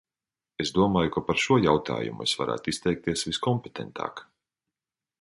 Es domāju, ka par šo jautājumu es varētu izteikties viskompetentāk.